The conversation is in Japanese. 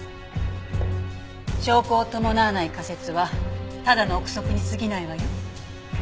証拠を伴わない仮説はただの臆測に過ぎないわよ。